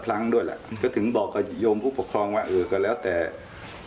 อัตตามากก็ยอมรับว่าอัตตามากก็จะใช้แบบ